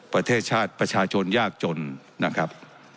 ประเทศชาติประชาชนยากจนนะครับ